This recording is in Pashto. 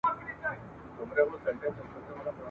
ستا په غاړه کي مي لاس وو اچولی !.